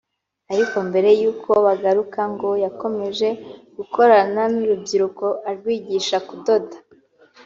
Ariko mbere y’uko bagaruka ngo yakomeje gukorana n’urubyiruko arwigisha kudoda